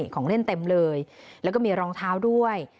ของเล่นเต็มเลยแล้วก็มีรองเท้าด้วย